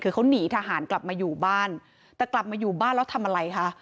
คือเขาหนีทหารกลับมาอยู่บ้านแต่กลับมาอยู่บ้านแล้วทำอะไรคะ